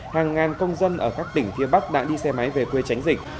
hàng ngàn công dân ở các tỉnh phía bắc đã đi xe máy về quê tránh dịch